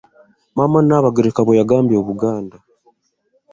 Maama Nnaabagereka bwe yagambye obuganda